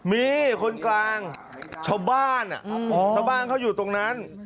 มีคนกลางชาวบ้านชาวบ้านเขาอยู่ตรงนั้น